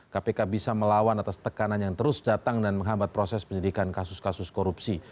kpk bisa melawan atas tekanan yang terus datang dan menghambat proses penyidikan kasus kasus korupsi